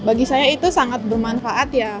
bagi saya itu sangat bermanfaat ya